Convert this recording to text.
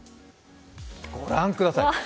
御覧ください。